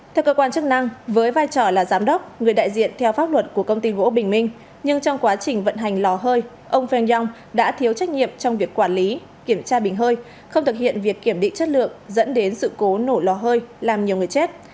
theo cơ quan chức năng với vai trò là giám đốc người đại diện theo pháp luật của công ty gỗ bình minh nhưng trong quá trình vận hành lò hơi ông feng yong đã thiếu trách nhiệm trong việc quản lý kiểm tra bình hơi không thực hiện việc kiểm định chất lượng dẫn đến sự cố nổ lò hơi làm nhiều người chết